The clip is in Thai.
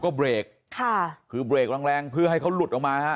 ก็เบรกคือเบรกแรงเพื่อให้เขาหลุดออกมา